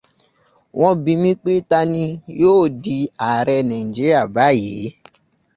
Wọ́n bi mí pé ta ni yóò di ààrẹ Nàíjíríà báyìí?